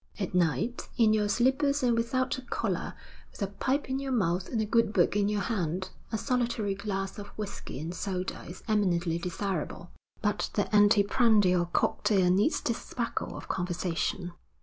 At night, in your slippers and without a collar, with a pipe in your mouth and a good book in your hand, a solitary glass of whisky and soda is eminently desirable; but the anteprandial cocktail needs the sparkle of conversation.'